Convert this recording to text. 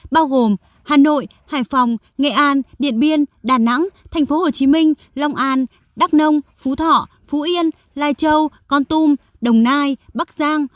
bao gồm hà nội hải phòng nghệ an điện biên đà nẵng tp hcm long an đắk nông phú thọ phú yên lai châu con tum đồng nai bắc giang